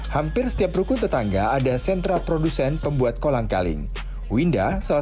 hampir setiap rukun tetangga ada sentra produsen pembuat kolang kaling winda salah